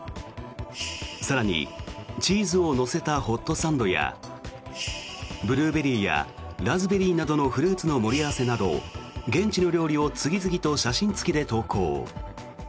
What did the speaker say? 更に、チーズを乗せたホットサンドやブルーベリーやラズベリーなどのフルーツの盛り合わせなど現地の料理を次々と写真付きで投稿。